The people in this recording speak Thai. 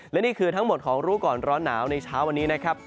และนี่คือทั้งหมดของรู้ก่อนร้อนหนาวในเช้าวันนี้นะครับ